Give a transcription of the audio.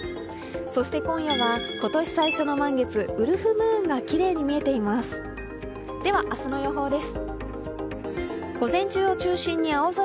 そして今夜は今年最初の満月、ウルフムーンがきれいに見えています。